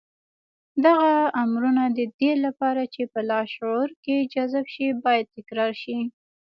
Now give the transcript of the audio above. دغه امرونه د دې لپاره چې په لاشعور کې جذب شي بايد تکرار شي.